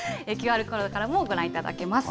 ＱＲコードからもご覧いただけます。